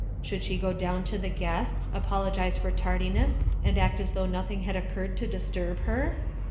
Should she go down to the guests, apologize for tardiness, and act as though nothing had occurred to disturb her?